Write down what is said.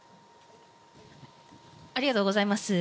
ありがとうございます。